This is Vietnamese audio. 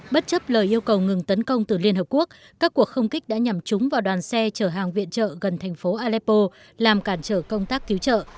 bất chấp lời yêu cầu ngừng tấn công từ liên hợp quốc các cuộc không kích đã nhằm trúng vào đoàn xe chở hàng viện trợ gần thành phố aleppo làm cản trở công tác cứu trợ